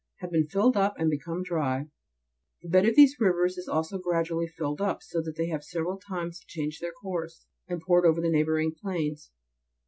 have been filled up and become dry : the bed of these rivers is also gradually filled up, so that they have several times changed their course, and poured over the neighbouring plains.